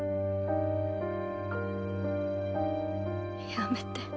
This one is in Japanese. やめて。